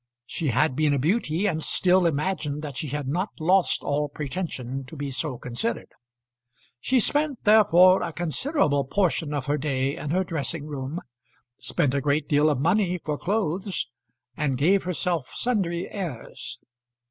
She had been a beauty, and still imagined that she had not lost all pretension to be so considered. She spent, therefore, a considerable portion of her day in her dressing room, spent a great deal of money for clothes, and gave herself sundry airs.